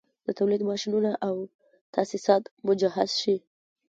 د تولید ماشینونه او تاسیسات مجهز شي